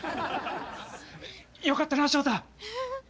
よかったな翔太！